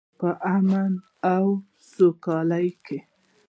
په امن او سوکالۍ کې.